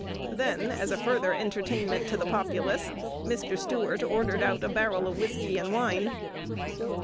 Then, as a further entertainment to the populace, Mr. Stuart ordered out a "barrel of whiskey and wine."